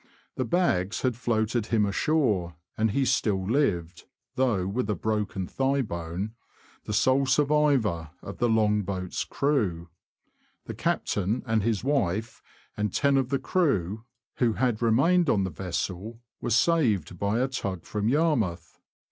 The bags had floated him ashore, and he still lived (though with a broken thigh bone), the sole survivor of the long boat's crew. The captain and his wife, and ten of the crew, who had remained on the vessel, were UP THE ANT, TO BARTON AND STALHAM. 167 saved by a tug from Yarmouth.